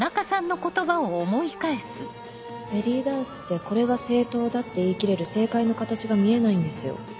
ベリーダンスってこれが正統だって言い切れる正解の形が見えないんですよ